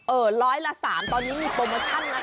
ร้อยละ๓ตอนนี้มีโปรโมชั่นนะคะ